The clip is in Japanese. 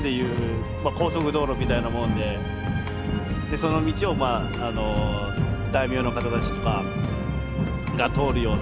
その道を大名の方たちとかが通るような。